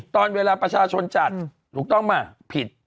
ตอนเวลาประชาชนจัดถูกต้องไหมผิด